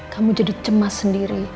kamu jadi cemas sendiri